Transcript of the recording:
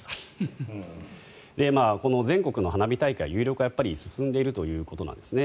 この全国の花火大会有料化が進んでいるということなんですね。